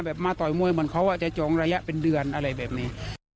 มาต่อยมวยเหมือนเขาจะจองระยะเป็นเดือนอะไรแบบนี้